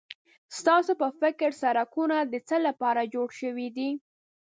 ستاسو په فکر سړکونه د څه لپاره جوړ شوي دي؟